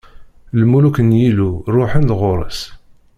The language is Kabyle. Lmuluk n Yillu ṛuḥen-d ɣur-s.